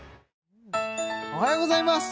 おはようございます！